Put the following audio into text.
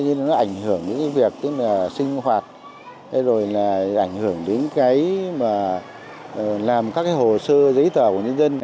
nó ảnh hưởng đến việc sinh hoạt rồi là ảnh hưởng đến làm các hồ sơ giấy tờ của nhân dân